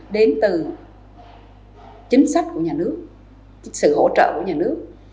đến từ chính sách của nhà nước sự hỗ trợ của nhà nước